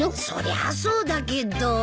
そりゃそうだけど。